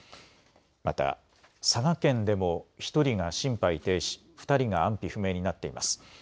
また、佐賀県でも１人が心肺停止、２人が安否不明になっています。